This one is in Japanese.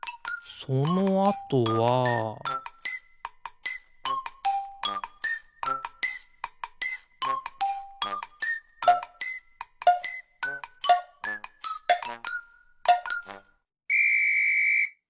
そのあとはピッ！